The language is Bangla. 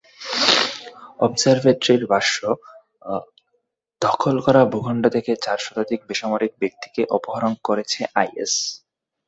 অবজারভেটরির ভাষ্য, দখল করা ভূখণ্ড থেকে চার শতাধিক বেসামরিক ব্যক্তিকে অপহরণ করেছে আইএস।